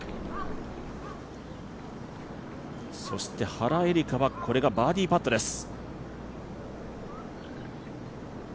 原英莉花は、これがバーディーパッです。